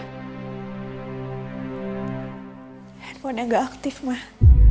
handphon nya gak aktif mah